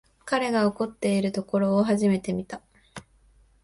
彼が怒ってるところ初めて見た